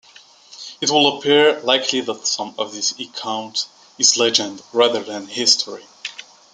It would appear likely that some of this account is legend rather than history.